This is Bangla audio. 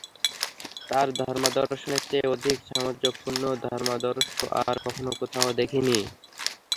তাঁর ধর্মাদর্শের চেয়ে অধিক সামঞ্জস্যপর্ণ ধর্মাদর্শ আর কখনো কোথাও দেখিনি।